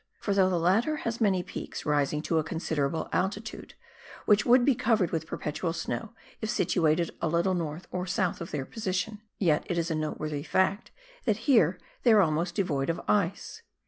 For though the latter has many peaks rising to a considerable altitude, which would be covered with perpetual snow if situated a little north or south of their position, yet it is a noteworthy fact that here they are almost devoid of ice.